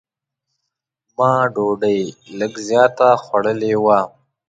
ما ډوډۍ لږ زیاته خوړلې وه.